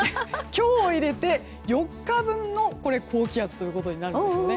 今日を入れて４日分の高気圧となるんですよね。